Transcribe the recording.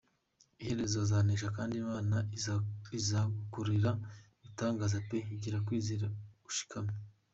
Iherezo uzanesha kandi Imana izagukorera ibitangaza pe! Gira kwizera ushikame.